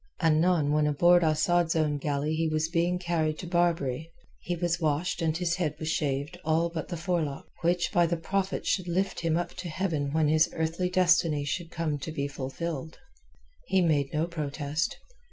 Anon, when aboard Asad's own galley he was being carried to Barbary, he was washed and his head was shaved all but the forelock, by which the Prophet should lift him up to heaven when his earthly destiny should come to be fulfilled. He made no protest.